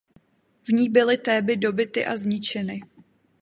V ní byly Théby dobyty a zničeny.